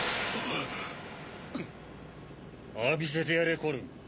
浴びせてやれコルン。